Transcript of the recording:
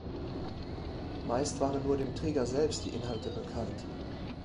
Meist waren nur dem Träger selbst die Inhalte bekannt.